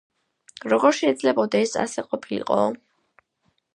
როგორ შეიძლებოდა ეს ასე ყოფილიყო?